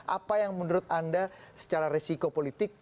apa yang menurut anda secara resiko politik